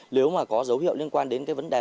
nếu có dấu hiệu liên quan đến vấn đề